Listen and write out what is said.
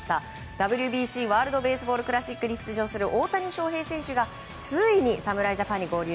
ＷＢＣ・ワールド・ベースボール・クラシックに出場する大谷翔平選手がついに侍ジャパンに合流。